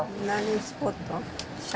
何スポット？